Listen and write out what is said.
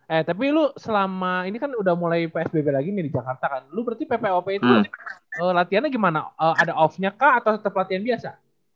eh tapi lu selama ini kan udah mulai psbb lagi nih di jakarta kan lu berarti ppop itu latihannya gimana ada off nya kah atau tetap latihan biasa